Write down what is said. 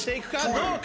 どうか？